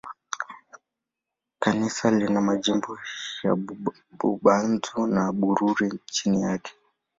Kikanisa lina majimbo ya Bubanza na Bururi chini yake.